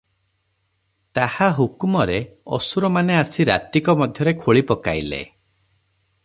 ତାହା ହୁକୁମରେ ଅସୁର ମାନେ ଆସି ରାତିକ ମଧ୍ୟରେ ଖୋଳିପକାଇଲେ ।